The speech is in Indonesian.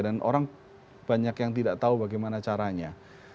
dan orang banyak yang tidak tahu bagaimana caranya